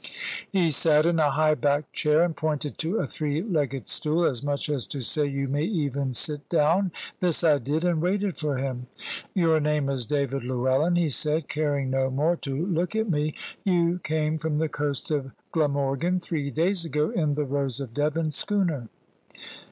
He sat in a high backed chair, and pointed to a three legged stool, as much as to say, "You may even sit down." This I did, and waited for him. "Your name is David Llewellyn," he said, caring no more to look at me; "you came from the coast of Glamorgan, three days ago, in the Rose of Devon schooner."